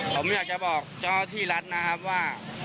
ผมอยากจะบอกเจ้าที่รัฐนะครับว่า